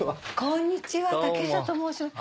こんにちは竹下と申します。